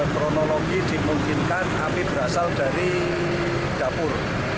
kronologi dimungkinkan api berasal dari dapur